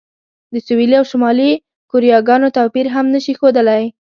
د سویلي او شمالي کوریاګانو توپیر هم نه شي ښودلی.